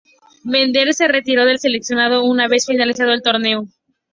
Venter se retiró del seleccionado una vez finalizado el torneo.